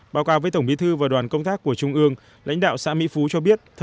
báo cáo với tổng bí thư và đoàn công tác của trung ương lãnh đạo xã mỹ phú cho biết